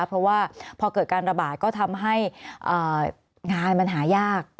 เพราะว่าพอเกิดการระบาดก็ทำให้งานมันหายาก